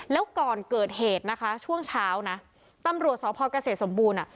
แล้วก่อนเกิดเหตุช่วงเช้าตำรวจสพเกษตรสมบูรณ์